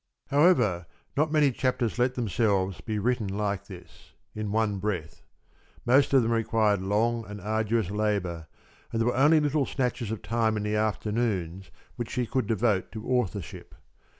However, not many chapters let themselves be written like this in one breath. Most of them required long and arduous labor, and there were only little snatches of time in the afternoons which she could devote to authorship.